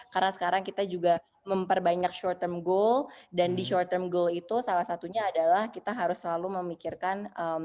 karena sekarang kita juga memperbanyak short term goal dan di short term goal itu salah satunya adalah kita harus selalu memikirkan